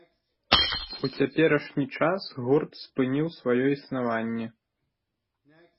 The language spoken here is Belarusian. У цяперашні час гурт спыніў сваё існаванне.